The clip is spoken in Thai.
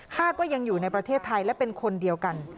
ว่ายังอยู่ในประเทศไทยและเป็นคนเดียวกัน